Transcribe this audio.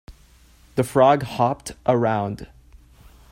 The frog hopped around.